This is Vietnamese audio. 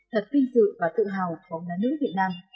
thật kinh tự và tự hào bóng đá nữ việt nam